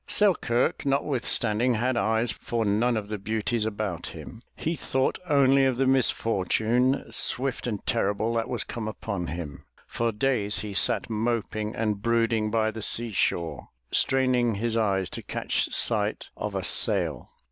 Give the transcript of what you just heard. Selkirk, notwithstanding, had eyes for none of the beauties about him. He thought only of the misfortune, swift and terrible, that was come upon him. For days he sat moping and brooding by the sea shore, straining his eyes to catch sight of a sail.